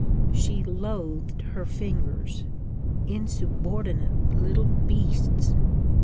She loathed her fingers: insubordinate little beasts!